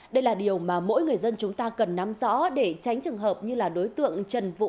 đây là điều mà mỗi người dân chúng ta cần nắm rõ để tránh trường hợp như là đối tượng trần vũ